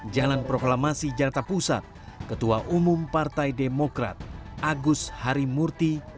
jalan proklamasi jatah pusat